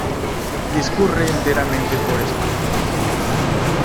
Discurre enteramente por España.